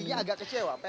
intinya agak kecewa